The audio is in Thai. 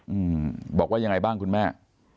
อืมบอกว่ายังไงบ้างคุณแม่